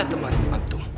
anda teman antum